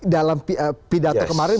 dalam pidato kemarin